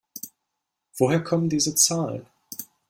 Woher kommen diese Zahlen?